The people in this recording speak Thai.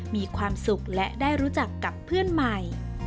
มีความสุขและได้รู้จักกับเพื่อนใหม่